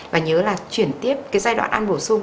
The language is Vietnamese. và nhớ là chuyển tiếp cái giai đoạn ăn bổ sung